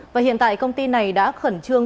và hiện tại công ty này đã khẩn trương